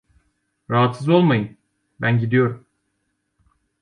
Rahatsız olmayın, ben gidiyorum.